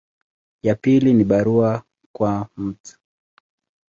Ya pili ni barua kwa Mt.